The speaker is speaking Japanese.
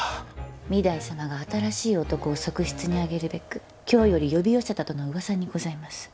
御台様が新しい男を側室に上げるべく京より呼び寄せたとの噂にございます。